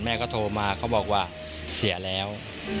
แม่ก็โทรมาเขาบอกว่าเสียแล้ว